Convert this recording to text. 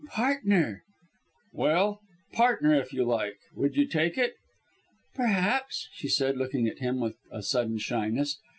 "Partner!" "Well, partner, if you like. Would you take it?" "Perhaps!" she said, looking at him with a sudden shyness.